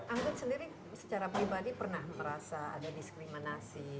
anggun sendiri secara pribadi pernah merasa ada diskriminasi